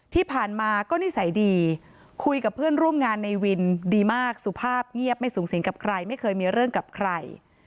ที่ผ่านมาก็นิสัยดีคุยกับเพื่อนร่วมงานในวินดีมากสุภาพเงียบไม่สูงสิงกับใครไม่เคยมีเรื่องกับใคร